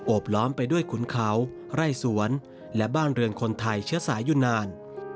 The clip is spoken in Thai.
บล้อมไปด้วยขุนเขาไร่สวนและบ้านเรือนคนไทยเชื้อสายอยู่นาน